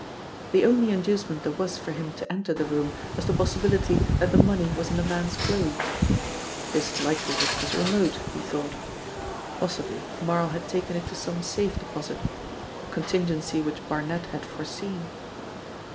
The only inducement there was for him to enter the room was the possibility that the money was in the man's clothes. This likelihood was remote, he thought. Possibly Marl had taken it to some safe deposit a contingency which Barnet had foreseen.